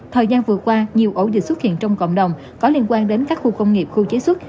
thời gian vừa qua nhiều ổ dịch xuất hiện trong cộng đồng có liên quan đến các khu công nghiệp khu chế xuất